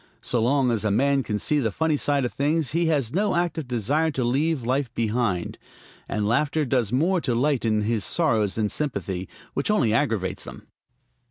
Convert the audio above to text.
So long as a man can see the funny side of things he has no active desire to leave life behind; and laughter does more to lighten his sorrows than sympathy, which only aggravates them.